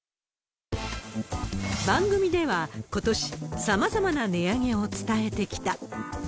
番組では、ことし、さまざまな値上げを伝えてきた。